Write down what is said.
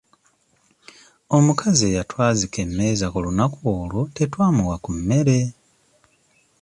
Omukazi eyatwazika emmeeza ku lunaku olwo tetwamuwa ku mmere.